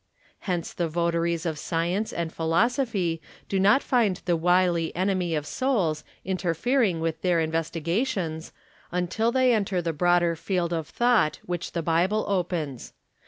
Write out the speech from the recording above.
Hence the votaries of science and philosophy do not find the wily enemy of souls interfering with their investigations, untU they enter the broader field of thought which the Bible opens.